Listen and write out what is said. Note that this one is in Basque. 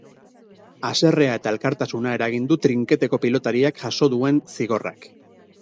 Haserrea eta elkartasuna eragin du trinketeko pilotariak jaso duen zigorrak.